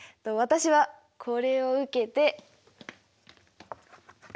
私はこれを受けて。